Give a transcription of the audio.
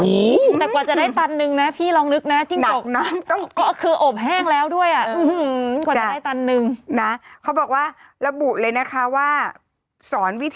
มีป้ายอย่าสลบ